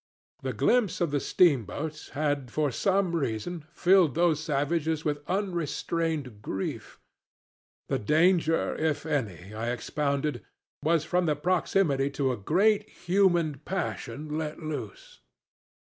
The glimpse of the steamboat had for some reason filled those savages with unrestrained grief. The danger, if any, I expounded, was from our proximity to a great human passion let loose.